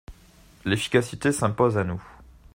L’efficacité s’impose à nous.